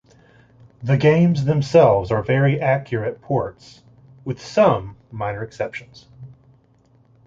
The games themselves are very accurate ports, with some minor exceptions.